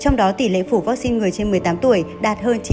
trong đó tỷ lệ phủ vaccine người trên một mươi tám tuổi đạt hơn chín mươi